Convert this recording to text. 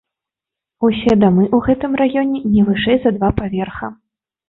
Усе дамы ў гэтым раёне не вышэй за два паверха.